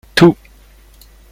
Tout.